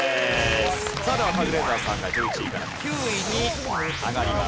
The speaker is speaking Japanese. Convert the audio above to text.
さあではカズレーザーさんが１１位から９位に上がります。